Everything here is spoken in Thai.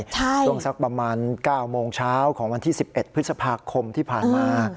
ช่วงสักประมาณ๙โมงเช้าของวันที่๑๑พฤษภาคมที่ผ่านมา